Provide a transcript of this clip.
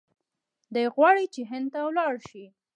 دی غواړي چې هند ته ولاړ شي.